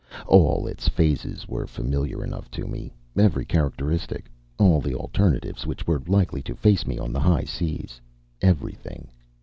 All its phases were familiar enough to me, every characteristic, all the alternatives which were likely to face me on the high seas everything!...